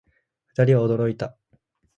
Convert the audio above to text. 二人は驚いた